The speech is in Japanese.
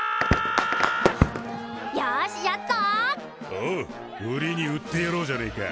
おう売りに売ってやろうじゃねえか。